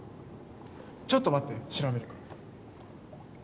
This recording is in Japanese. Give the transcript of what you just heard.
ちょっと待って調べるから。